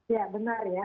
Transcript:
ya benar ya